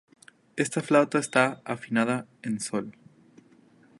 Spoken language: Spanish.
Esta flauta está afinada en Sol.